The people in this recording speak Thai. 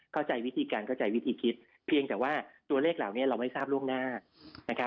เข้าใจวิธีการเข้าใจวิธีคิดเพียงแต่ว่าตัวเลขเหล่านี้เราไม่ทราบล่วงหน้านะครับ